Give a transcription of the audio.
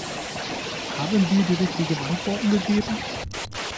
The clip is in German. Haben wir die richtigen Antworten gegeben?